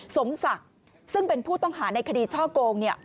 สมศักดิ์ซึ่งเป็นผู้ต้องหาในคดีช่อโกง